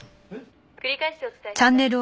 「繰り返しお伝えします」